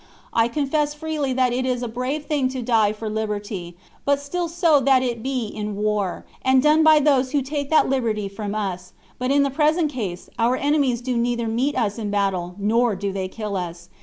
I confess freely that it is a brave thing to die for liberty; but still so that it be in war, and done by those who take that liberty from us; but in the present case our enemies do neither meet us in battle, nor do they kill us.